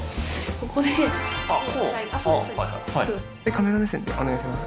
カメラ目線でお願いします。